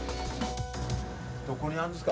どこにあんですか。